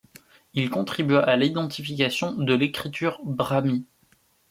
Il contribua à l’identification de l’écriture brahmi.